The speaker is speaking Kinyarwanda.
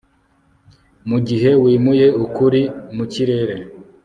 mugihe wimuye ukuri mukirere